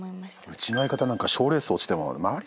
うちの相方なんか賞レース落ちても。